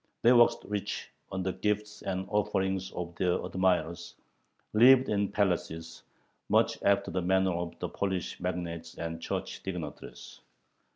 They waxed rich on the gifts and offerings of their admirers, lived in palaces, much after the manner of the Polish magnates and Church dignitaries.